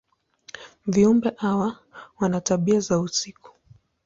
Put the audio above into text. Viumbe hawa wana tabia za usiku.